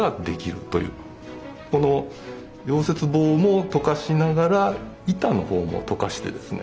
この溶接棒も溶かしながら板の方も溶かしてですね